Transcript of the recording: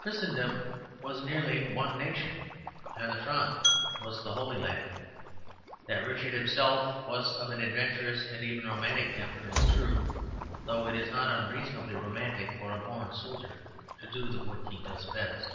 Christendom was nearly one nation, and the Front was the Holy Land. That Richard himself was of an adventurous and even romantic temper is true, though it is not unreasonably romantic for a born soldier to do the work he does best.